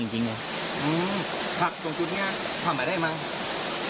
อื้อพักตรงจุดเนี่ยทำไมได้มั้ง